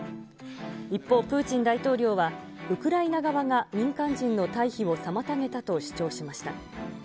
一方、プーチン大統領は、ウクライナ側が民間人の退避を妨げたと主張しました。